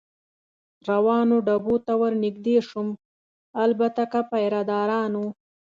روانو ډبو ته ور نږدې شوم، البته که پیره دارانو.